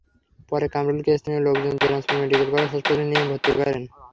পরে কামরুলকে স্থানীয় লোকজন দিনাজপুর মেডিকেল কলেজ হাসপাতালে নিয়ে ভর্তি করেন।